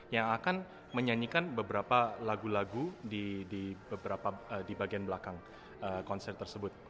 yang akan menyanyikan beberapa lagu lagu di bagian belakang konser tersebut